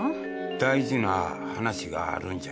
大事な話があるんじゃ。